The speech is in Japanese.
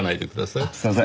あっすいません。